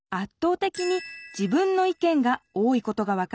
てきに自分の意見が多いことが分かりますね。